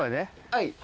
はい。